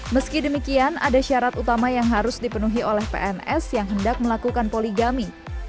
meski demikian ada syarat utama yang harus dipenuhi oleh pns yang hendak melakukan poligami